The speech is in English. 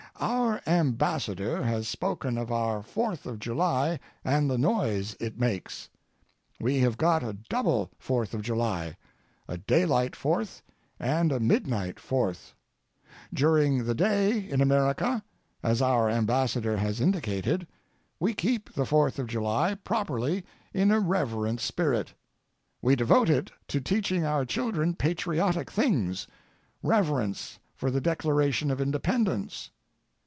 Our Ambassador has spoken of our Fourth of July and the noise it makes. We have got a double Fourth of July—a daylight Fourth and a midnight Fourth. During the day in America, as our Ambassador has indicated, we keep the Fourth of July properly in a reverent spirit. We devote it to teaching our children patriotic things—reverence for the Declaration of Independence.